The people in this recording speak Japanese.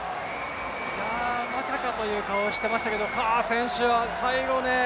まさかという顔をしていましたけど、選手は最後ね